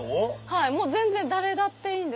はい全然誰だっていいんです。